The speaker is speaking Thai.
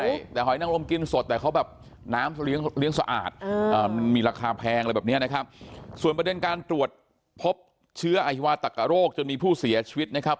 ใช่แต่หอยนังรมกินสดแต่เขาแบบน้ำเลี้ยงสะอาดมันมีราคาแพงอะไรแบบเนี้ยนะครับส่วนประเด็นการตรวจพบเชื้ออฮิวาตักกะโรคจนมีผู้เสียชีวิตนะครับ